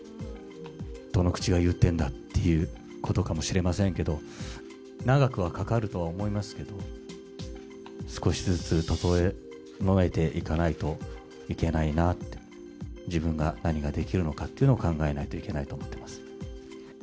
どの口が言ってんだってことかもしれませんけれども、長くはかかるとは思いますけど、少しずつ整えていかないといけないなと、自分が何ができるのかというのを考えなきゃいけないと思っています。